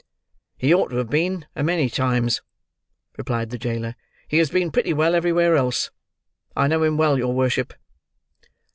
"He ought to have been, a many times," replied the jailer. "He has been pretty well everywhere else. I know him well, your worship."